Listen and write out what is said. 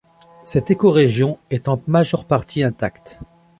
Cette écorégion est en majeure partie intacte.